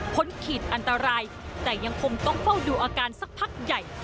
ขีดอันตรายแต่ยังคงต้องเฝ้าดูอาการสักพักใหญ่